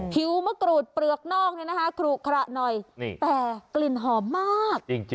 ผิวมะกรูดเปลือกนอกนะครูขระหน่อยแต่กลิ่นหอมมาก